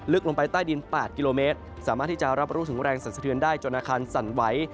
ลงไปใต้ดิน๘กิโลเมตรสามารถที่จะรับรู้ถึงแรงสรรสะเทือนได้จนอาคารสั่นไหว